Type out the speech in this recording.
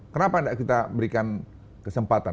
kenapa tidak kita berikan kesempatan